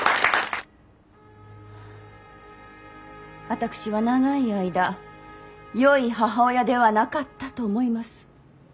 私は長い間よい母親ではなかったと思います。